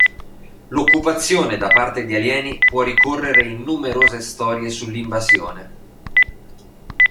L'occupazione da parte di alieni può ricorrere in numerose storie sull'invasione.